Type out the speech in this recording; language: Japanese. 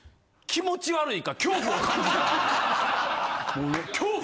気持ち悪い。